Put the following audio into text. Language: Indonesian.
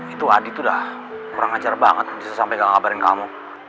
itu adi tuh udah kurang ajar banget bisa sampai gak ngabarin kamu